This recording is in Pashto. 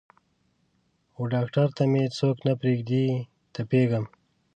وډاکتر ته مې څوک نه پریږدي تپیږم